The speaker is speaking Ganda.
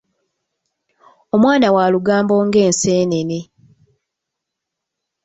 Omwana wa lugambo ng'enseenene.